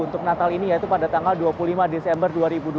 untuk natal ini yaitu pada tanggal dua puluh lima desember dua ribu dua puluh